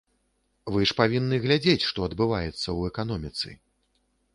Вы ж павінны глядзець, што адбываецца ў эканоміцы.